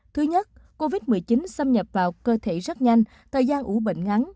thứ nhất covid một mươi chín xâm nhập vào cơ thể rất nhanh thời gian ủ bệnh ngắn